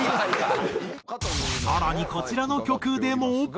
更にこちらの曲でも。